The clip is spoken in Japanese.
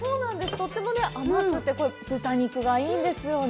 とっても甘くて、豚肉がいいんですよね。